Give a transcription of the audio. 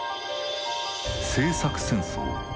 「政策戦争」